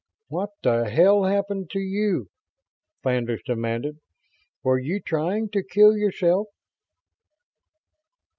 "What the hell happened to you?" Flandres demanded. "Were you trying to kill yourself?"